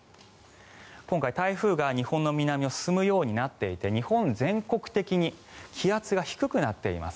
今回、台風が日本の南を進むようになっていて日本全国的に気圧が低くなっています。